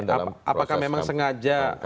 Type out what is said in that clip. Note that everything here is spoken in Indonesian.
proses kampanye apakah memang sengaja